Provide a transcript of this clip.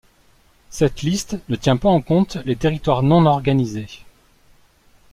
Cette liste ne tient pas en compte les territoires non-organisés.